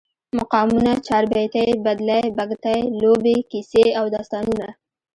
مقامونه، چاربیتې، بدلې، بګتی، لوبې، کیسې او داستانونه